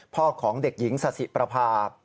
พ่อของเด็กหญิงสสิประพา